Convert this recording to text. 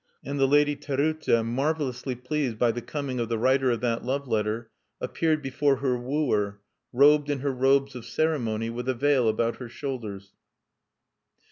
And the Lady Terute, marvelously pleased by the coming of the writer of that love letter, appeared before her wooer, robed in her robes of ceremony, with a veil about her shoulders.